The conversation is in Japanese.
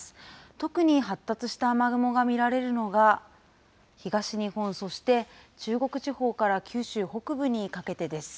特に発達した雨雲が見られるのが、東日本、そして中国地方から九州北部にかけてです。